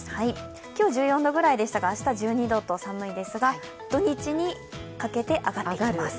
今日、１４度ぐらいでしたが明日は１２度と寒いですが土日にかけて上がってきます。